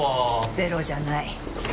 ゼロじゃない。